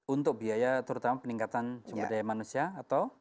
untuk biaya terutama peningkatan sumber daya manusia atau